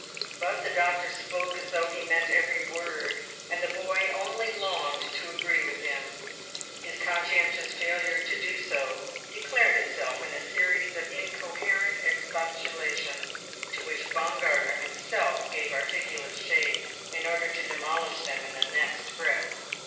But the doctor spoke as though he meant every word, and the boy only longed to agree with him: his conscientious failure to do so declared itself in a series of incoherent expostulations to which Baumgartner himself gave articulate shape in order to demolish them in the next breath.